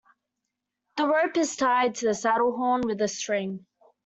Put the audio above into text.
The rope is tied to the saddle horn with a string.